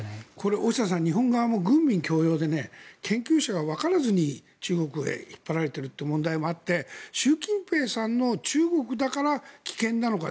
大下さん軍民共用で、研究者が分からずに中国へ引っ張られているという問題もあって習近平さんの中国だから危険なのか。